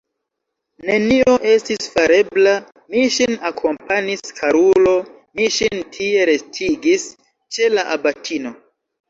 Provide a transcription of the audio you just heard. Nenio estis farebla, mi ŝin akompanis, karulo, mi ŝin tie restigis ĉe la abatino!